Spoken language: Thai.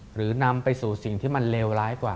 หรือนำไปสู่สิ่งที่มันเลวร้ายกว่า